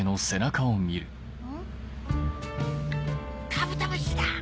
カブトムシだ！